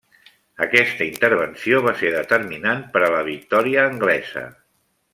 Aquesta intervenció va ser determinant per a la victòria anglesa.